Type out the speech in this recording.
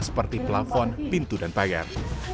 seperti plafon pintu dan pagar